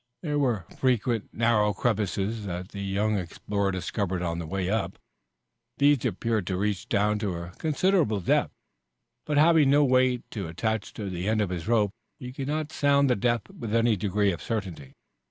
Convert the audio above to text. There were frequent narrow crevices that the young explorer discovered on the way up. These appeared to reach down to a considerable depth, but having no weight to attach to the end of his rope he could not sound the depth with any degree of certainty.